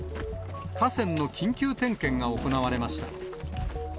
河川の緊急点検が行われました。